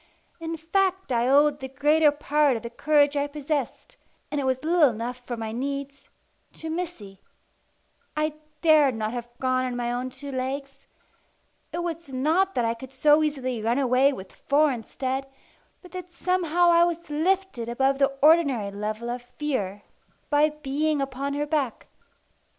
In fact I owed the greater part of the courage I possessed and it was little enough for my needs to Missy. I dared not have gone on my own two legs. It was not that I could so easily run away with four instead, but that somehow I was lifted above the ordinary level of fear by being upon her back.